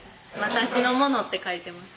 「私のもの」って書いてます